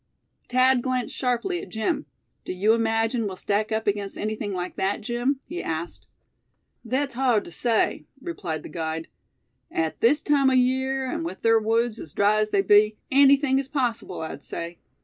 Thad glanced sharply at Jim. "Do you imagine we'll stack up against anything like that, Jim?" he asked. "Thet's hard tew say," replied the guide. "At this time o' year, an' with ther woods as dry as they be, anything is possible, I'd say.